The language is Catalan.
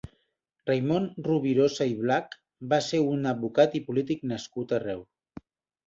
Raimon Rovirosa i Blanch va ser un advocat i polític nascut a Reus.